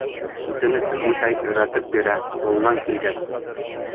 Үтенесен үтәй, өйрәтеп бирә, ҡулынан килгәс ни.